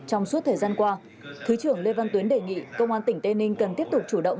trong suốt thời gian qua thứ trưởng lê văn tuyến đề nghị công an tỉnh tây ninh cần tiếp tục chủ động